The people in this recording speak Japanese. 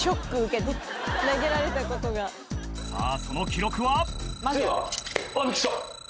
その記録は？